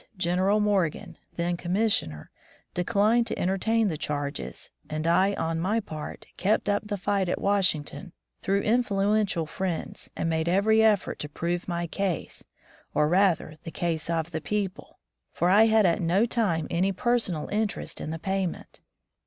General Morgan, then Commissioner, de clined to entertain the charges, and I, on my part, kept up the fight at Washington through influential friends, and made every effort to prove my case, or rather, the case of the people, for I had at no time any personal interest in the payment.